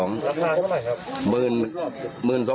และเรียนลงบุษัยที่ตอนนี้คือแพงที่สุดก็คือรุ่นไหน